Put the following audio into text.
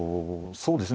そうですね。